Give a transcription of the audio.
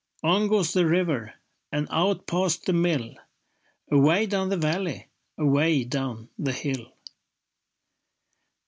On goes the river And out past the mill, Away down the valley, Away down the hill.